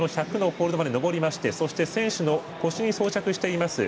この１００のホールドまで登りましてそして選手の腰に装着しています